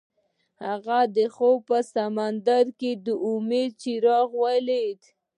هغه د خوب په سمندر کې د امید څراغ ولید.